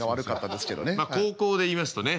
まあ高校でいいますとね。